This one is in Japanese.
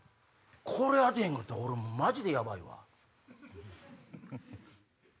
これ当てへんかったら俺マジでヤバいわ。